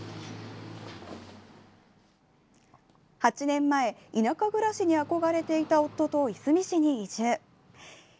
８年前田舎暮らしに憧れていた夫といすみ市に移住。